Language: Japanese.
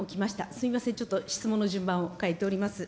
すみません、ちょっと質問の順番を変えております。